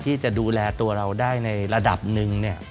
ที่จะดูแลตัวเราได้ในระดับหนึ่ง